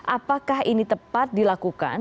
apakah ini tepat dilakukan